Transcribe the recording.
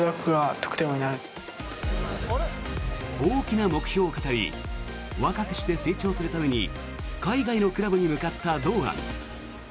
大きな目標を語り若くして成長するために海外のクラブに向かった堂安。